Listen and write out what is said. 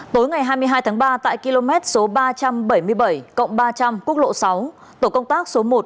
tối ngày hai mươi hai tháng ba tại km ba trăm bảy mươi bảy cộng ba trăm linh quốc lộ sáu tổ công tác số một đội một nghìn hai trăm sáu mươi sáu chủ trì